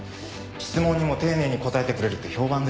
質問にも丁寧に答えてくれるって評判で。